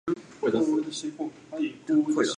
愿此行，终抵群星。